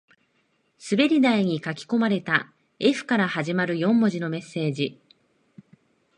滑り台に書き込まれた Ｆ から始まる四文字のメッセージ